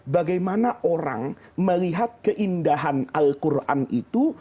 bagaimana orang melihat keindahan al quran itu